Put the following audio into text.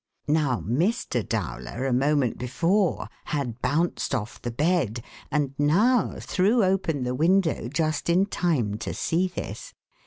Now Mr. Dowler, a moment before, had bounced off the bed, and now threw open the window just in time to see this.